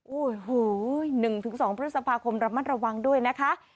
โอ้โห๑๒พฤษภาคมระมัดระวังด้วยนะคะ